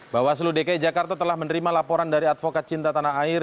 bawaslu dki jakarta telah menerima laporan dari advokat cinta tanah air